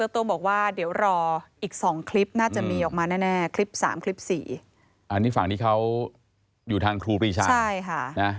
ที่ฝั่งที่เขาอยู่ทางครูปีชาใช่ค่ะ